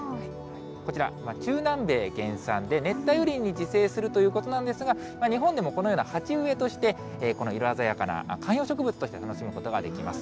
こちら、中南米原産で、熱帯雨林に自生するということなんですが、日本でもこのような鉢植えとして、この色鮮やかな観葉植物として楽しむことができます。